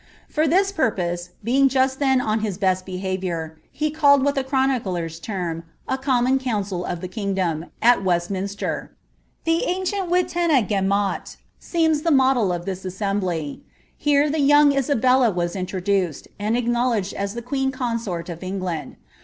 For this purpose, being just then on his best behaviour, he called that the chroniclers term a common council of the kingdom^' at West minster. The ancient Wittena gemot seems the model of this assembly flere the young Isabella was introduced, and acknowledged as the qucen consort of England.